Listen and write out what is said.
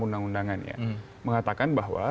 undang undangan mengatakan bahwa